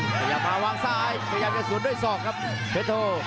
พยายามมาวางซ้ายพยายามจะสวนด้วยศอกครับเพชรโท